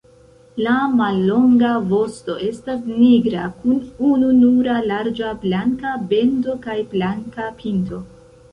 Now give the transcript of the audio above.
La mallonga vosto estas nigra kun ununura larĝa blanka bendo kaj blanka pinto.